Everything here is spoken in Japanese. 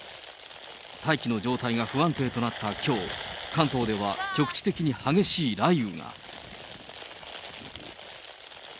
大気の状態が不安定となったきょう、関東では局地的に激しい雷雨が。